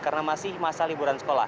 karena masih masa liburan